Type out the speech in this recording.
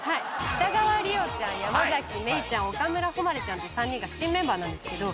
北川莉央ちゃん山愛生ちゃん岡村ほまれちゃんって３人が新メンバーなんですけど。